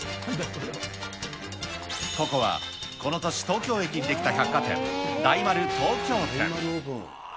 ここは、この年、東京駅に出来た百貨店、大丸東京店。